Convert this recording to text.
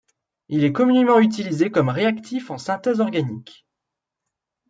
Il est communément utilisé comme réactif en synthèse organique.